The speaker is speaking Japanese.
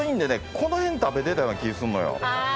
この辺食べてたような気すんのよ。